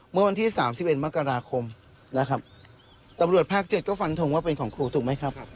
เมื่อวันที่๓๑มกราคมนะครับตำรวจภาค๗ก็ฟันทงว่าเป็นของครูถูกไหมครับ